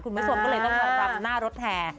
คุณผู้ชมก็เลยต้องมารำหน้ารถแห่